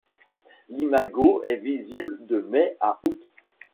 L'imago est visible de mai à août.